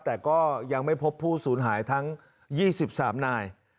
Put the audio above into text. แต่ก็ยังไม่พบผู้สูญหายทั้ง๒๓นาย